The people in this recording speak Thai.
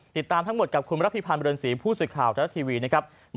ติดตามทั้งหมดกับคุณรัฐธิพันธ์บริญญาณสีผู้สึกข่าวรัฐทีวีนะครับ